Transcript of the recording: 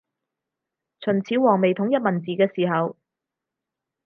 秦始皇未統一文字嘅時候